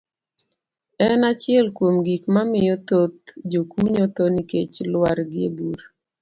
D. en achiel kuom gik mamiyo thoth jokunyo tho nikech lwargi e bur.